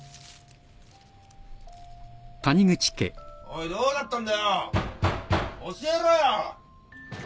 ・おいどうだったんだよ。教えろよ！